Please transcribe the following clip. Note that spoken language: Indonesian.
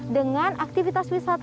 dengan aktivitas wisata lainnya